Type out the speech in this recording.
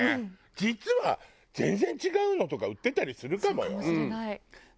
実は全然違うのとか売ってたりするかもよ。